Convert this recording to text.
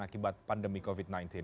akibat pandemi covid sembilan belas